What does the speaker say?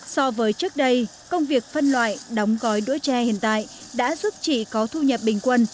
so với trước đây công việc phân loại đóng gói đũa tre hiện tại đã giúp chị có thu nhập bình quân